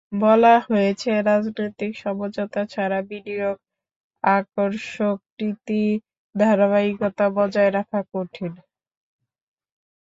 বলা হয়েছে, রাজনৈতিক সমঝোতা ছাড়া বিনিয়োগ আকর্ষক নীতি ধারাবাহিকতা বজায় রাখা কঠিন।